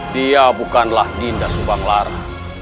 dia bukanlah dinda subang lara